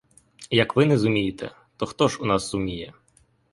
Як ви не зумієте, то хто ж у нас зуміє?